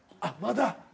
あっまだ。